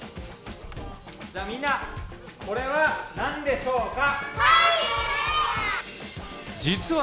じゃあみんな、これはなんでしょうか？